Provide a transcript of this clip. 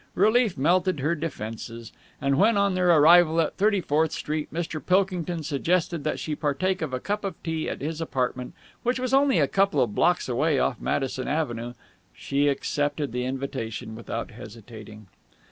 Relief melted her defences. And when, on their arrival at Thirty fourth Street Mr. Pilkington suggested that she partake of a cup of tea at his apartment, which was only a couple of blocks away off Madison Avenue, she accepted the invitation without hesitating.